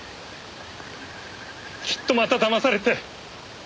きっとまただまされて。